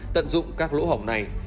tận dụng các lỗ hỏng này